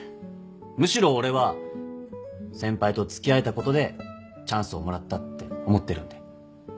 むしろ俺は先輩と付き合えたことでチャンスをもらったって思ってるんで。